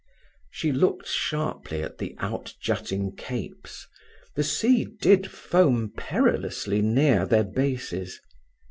She looked sharply at the outjutting capes. The sea did foam perilously near their bases.